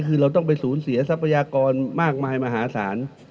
คือเราต้องไปสูญเสียทรัพยากรมากมายมหาศาล